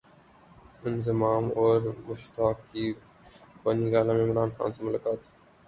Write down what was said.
انضمام اور مشتاق کی بنی گالا میں عمران خان سے ملاقات